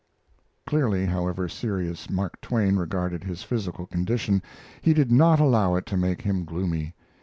Clearly, however serious Mark Twain regarded his physical condition, he did not allow it to make him gloomy.